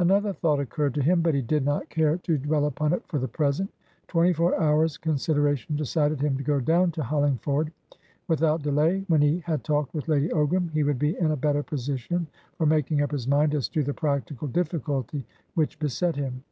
Another thought occurred to himbut he did not care to dwell upon it for the present. Twenty four hours' consideration decided him to go down to Hollingford without delay. When he had talked with Lady Ogram, he would be in a better position for making up his mind as to the practical difficulty which beset him.